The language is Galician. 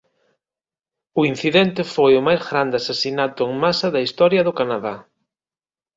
O incidente foi o máis grande asasinato en masa da historia do Canadá.